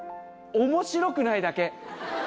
面白くないだけ。